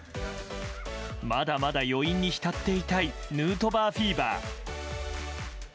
まだまだ余韻に浸っていたいヌートバーフィーバー。